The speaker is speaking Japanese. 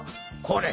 これ！